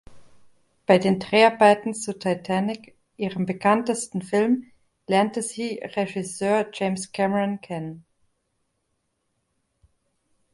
Bei den Dreharbeiten zu "Titanic", ihrem bekanntesten Film, lernte sie Regisseur James Cameron kennen.